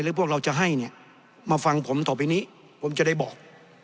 พวกเราจะให้เนี่ยมาฟังผมต่อไปนี้ผมจะได้บอก